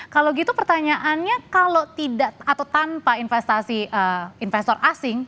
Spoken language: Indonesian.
kalau gitu pertanyaannya kalau tidak atau tanpa investasi investor asing